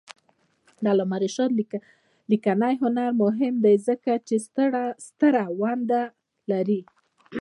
د علامه رشاد لیکنی هنر مهم دی ځکه چې ستره ونډه لري.